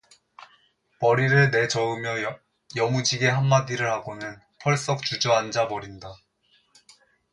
머리를 내저으며 여무지게 한마디를 하고는 펄썩 주저앉아 버린다.